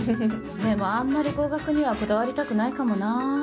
でもあんまり合格にはこだわりたくないかもなぁ。